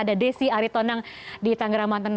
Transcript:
ada desi aritonang di tangerang banten